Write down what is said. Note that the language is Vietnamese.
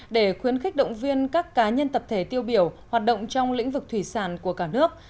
để khuyến khích động viên các cá nhân tập thể tiêu biểu hoạt động trong lĩnh vực thủy sản của cả nước